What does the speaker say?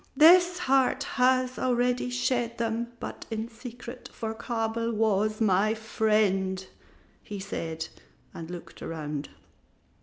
"This heart has already shed them, but in secret, for Kabel was my friend," he said, and looked around.